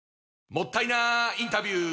もったいなインタビュー！